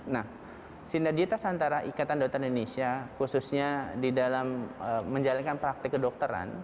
nah sinergitas antara ikatan dokter indonesia khususnya di dalam menjalankan praktik kedokteran